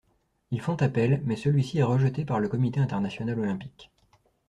Ils font appel, mais celui-ci est rejeté par le Comité international olympique.